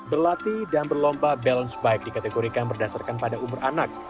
berlatih dan berlomba balance bike dikategorikan berdasarkan pada umur anak